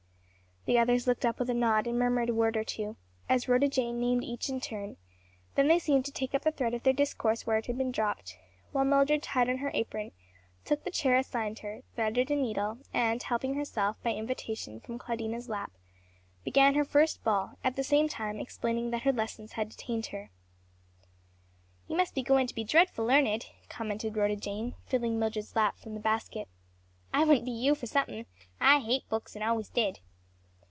The others looked up with a nod and a murmured word or two, as Rhoda Jane named each in turn; then they seemed to take up the thread of their discourse where it had been dropped, while Mildred tied on her apron, took the chair assigned her, threaded a needle, and helping herself, by invitation, from Claudina's lap, began her first ball, at the same time explaining that her lessons had detained her. "You must be goin' to be dreadful learned," commented Rhoda Jane, filling Mildred's lap from the basket, "I wouldn't be you for something. I hate books and always did."